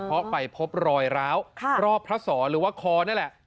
เพราะไปพบรอยร้าวรอบพระสอหรือว่าคอนี่แหละ